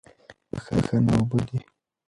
بښنه اوبه دي.